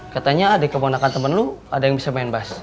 katanya ada yang kebonakan temen lo ada yang bisa main bass